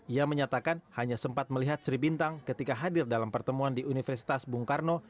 ia menyatakan hanya sempat melihat sri bintang ketika hadir dalam pertemuan di universitas bung karno